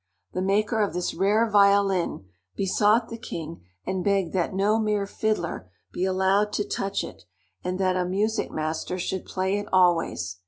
The maker of this rare violin besought the king and begged that no mere fiddler be allowed to touch it, and that a music master should play it always.